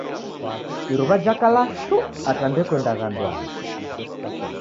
Iruw'a jakala shuu ata ndekuendagha anduangi